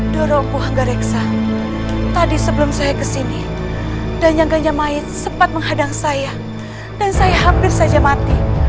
dorobohanggareksa tadi sebelum saya kesini danyangganya mait sempat menghadang saya dan saya hampir saja mati